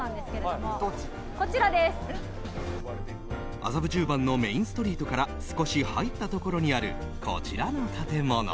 麻布十番のメインストリートから少し入ったところにあるこちらの建物。